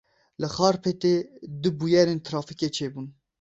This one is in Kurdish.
Li Xarpêtê du bûyerên trafîkê çêbûn.